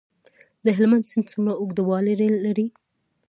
د هلمند سیند څومره اوږدوالی لري؟